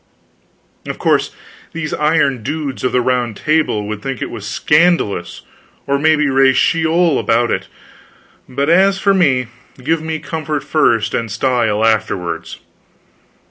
Of course these iron dudes of the Round Table would think it was scandalous, and maybe raise Sheol about it, but as for me, give me comfort first, and style afterwards.